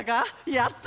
やった！